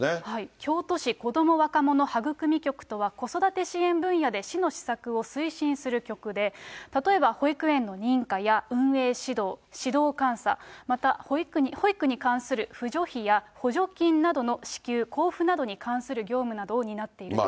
京都市子ども若者はぐくみ局とは、子育て支援分野で市の施策を推進する局で、例えば保育園の認可や運営指導、指導監査、また、保育に関する扶助費や補助金などの支給、交付などに関する業務などを担っています。